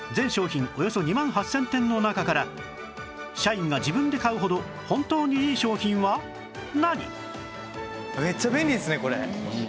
およそ２万８０００点の中から社員が自分で買うほど本当にいい商品は何？